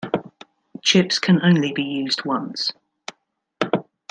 Chips can be used only once.